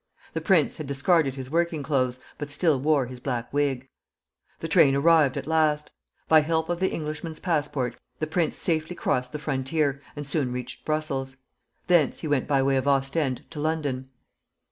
The prince had discarded his working clothes, but still wore his black wig. The train arrived at last. By help of the Englishman's passport the prince safely crossed the frontier, and soon reached Brussels. Thence he went by way of Ostend to London.